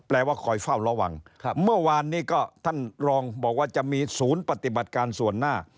ว่าคอยเฝ้าระวังเมื่อวานนี้ก็ท่านรองบอกว่าจะมีศูนย์ปฏิบัติการส่วนหน้า